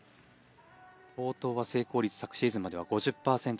冒頭は成功率昨シーズンまでは５０パーセント。